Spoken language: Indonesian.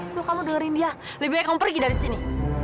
tuh kamu dolerin dia lebih baik kamu pergi dari sini